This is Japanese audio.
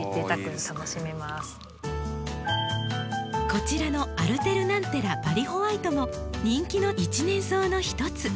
こちらのアルテルナンテラバリホワイトも人気の１年草の一つ。